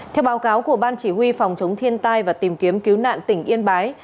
theo báo cáo của ban chỉ huy phòng chống thiên tai và tìm kiếm cứu nạn tỉnh yên bái